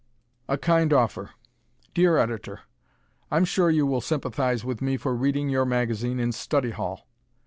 A Kind Offer Dear Editor: I'm sure you will sympathize with me for reading your magazine in study hall.